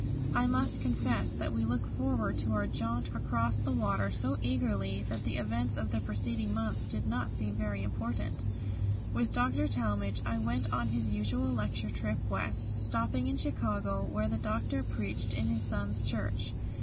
I must confess that we looked forward to our jaunt across the water so eagerly that the events of the preceding months did not seem very important. With Dr. Talmage I went on his usual lecture trip West, stopping in Chicago, where the Doctor preached in his son's church.